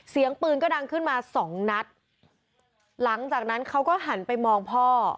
เสียงปืนก็ดังขึ้นมาสองนัดหลังจากนั้นเขาก็หันไปมองพ่อ